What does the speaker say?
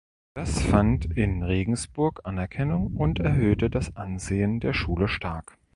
Das fand in Regensburg Anerkennung und erhöhte das Ansehen der Schule stark.